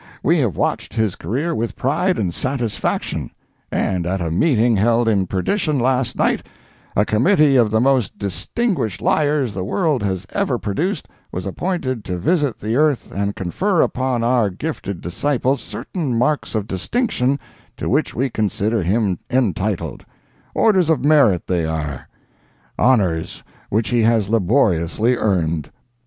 We have watched his career with pride and satisfaction, and at a meeting held in Perdition last night a committee of the most distinguished liars the world has ever produced was appointed to visit the earth and confer upon our gifted disciple certain marks of distinction to which we consider him entitled—orders of merit, they are—honors which he has laboriously earned.